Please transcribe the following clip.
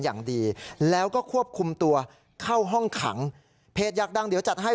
อย่างดีแล้วก็ควบคุมตัวเข้าห้องขังเพจอยากดังเดี๋ยวจัดให้